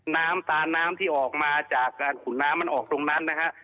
น้ำตาน้ำที่ออกมาจากการขุนน้ำมันออกตรงนั้นนะฮะ